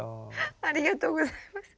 ありがとうございます。